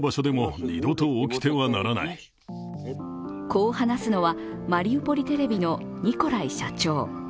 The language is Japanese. こう話すのは、マリウポリテレビのニコライ社長。